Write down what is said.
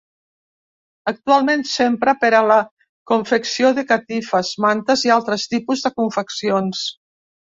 Actualment s'empra per a la confecció de catifes, mantes i altres tipus de confeccions.